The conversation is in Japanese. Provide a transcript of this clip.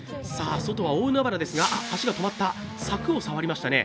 外は大海原ですが、足が止まった、柵を触りましたね。